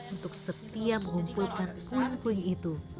untuk setia mengumpulkan puing puing itu